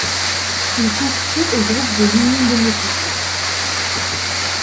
Il s'inscrit au groupe de l'Union démocratique.